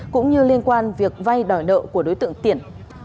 cũng như liên quan việc vay đòi nợ của đối tượng tiển